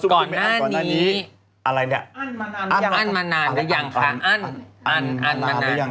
ก่อนหน้านี้อะไรเนี้ยอั้นมานานหรือยังอั้นมานานหรือยังอั้นมานานหรือยัง